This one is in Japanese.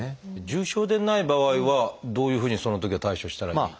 重症でない場合はどういうふうにそのときは対処したらいい？